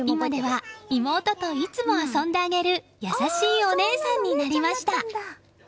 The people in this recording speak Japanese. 今では妹といつも遊んであげる優しいお姉さんになりました。